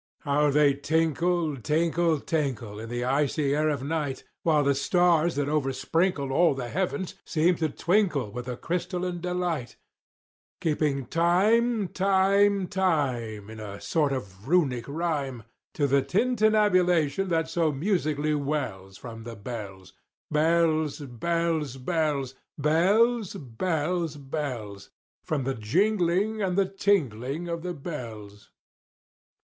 How they tinkle, tinkle, tinkle, In the icy air of night! While the stars that oversprinkle All the heavens, seem to twinkle With a crystalline delight; Keeping time, time, time, In a sort of Runic rhyme, To the tintinnabulation that so musically wells From the bells, bells, bells, bells, Bells, bells, bells— From the jingling and the tinkling of the bells.